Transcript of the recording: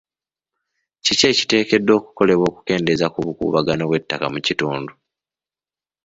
Ki ekiteekeddwa okukolebwa okukendeza ku bukuubagano bw'ettaka mu kitundu?